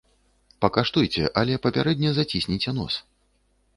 Пакаштуйце, але папярэдне зацісніце нос.